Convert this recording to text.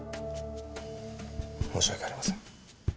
申し訳ありません。